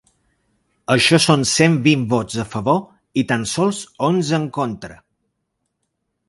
Això són cent vint vots a favor i tan sols onze en contra.